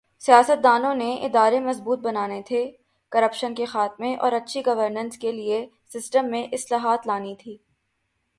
سیاستدانوں نے ادارے مضبوط بنانے تھے، کرپشن کے خاتمہ اور اچھی گورننس کے لئے سسٹم میں اصلاحات لانی تھی۔